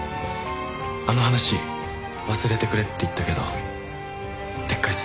あの話忘れてくれって言ったけど撤回する。